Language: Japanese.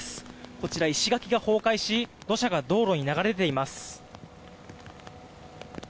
こちら石垣が崩壊し土砂が道路に流れ出ています。